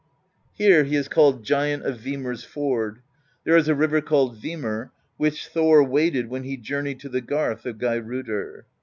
Here he is called Giant of Vimur's Ford. There is a river called Vimur, which Thor waded when he journeyed to the garth of Geirrodr.